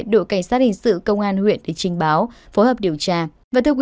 đội cảnh sát hình sự công an huyện để trình báo phối hợp điều tra